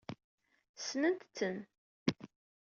Senset-tent.